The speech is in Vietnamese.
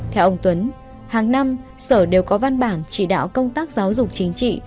theo ông tuấn hàng năm sở đều có văn bản chỉ đạo công tác giáo dục chính trị